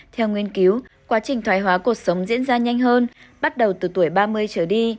theo nguyên cứu quá trình thoài hóa cột sống diễn ra nhanh hơn bắt đầu từ tuổi ba mươi trở đi